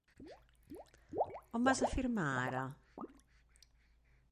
On vas a firmar, ara?